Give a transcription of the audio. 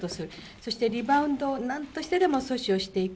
そして、リバウンドをなんとしてでも阻止をしていく。